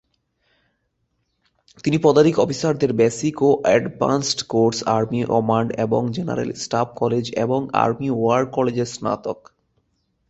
তিনি পদাতিক অফিসারদের বেসিক ও অ্যাডভান্সড কোর্স, আর্মি কমান্ড এবং জেনারেল স্টাফ কলেজ এবং আর্মি ওয়ার কলেজের স্নাতক।